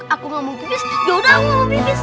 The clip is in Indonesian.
aku nggak mau pipis yaudah aku mau pipis